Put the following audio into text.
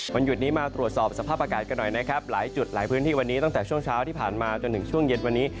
หยุดนี้มาตรวจสอบสภาพอากาศกันหน่อยนะครับหลายจุดหลายพื้นที่วันนี้ตั้งแต่ช่วงเช้าที่ผ่านมาจนถึงช่วงเย็นวันนี้